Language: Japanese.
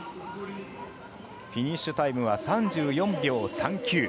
フィニッシュタイムは３４秒３９。